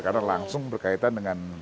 karena langsung berkaitan dengan dpr